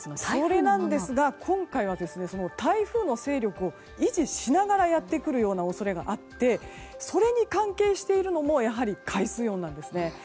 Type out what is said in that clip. それなんですが今回は台風の勢力を維持しながらやってくるような恐れがあってそれに関係しているのもやはり、海水温なんですね。